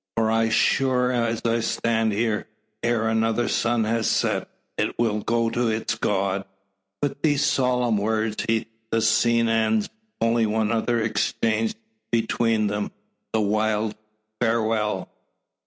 For sure as I stand here, ere another sun has set it will go to its God." With these solemn words the scene ends, only one other exchanged between them the wild "Farewell!"